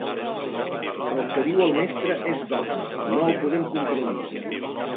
El que diu el mestre és dogma, no el podem contradir!